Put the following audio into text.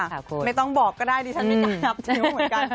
ไม่ต้องบอกก็ได้ดิฉันไม่กล้านับนิ้วเหมือนกัน